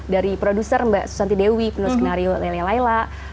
dari produser mbak susanti dewi penulis skenario lele laila